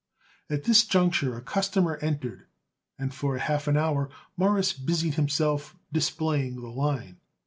At this juncture a customer entered, and for half an hour Morris busied himself displaying the line.